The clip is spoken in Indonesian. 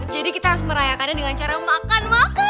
jadi kita harus merayakannya dengan cara makan makan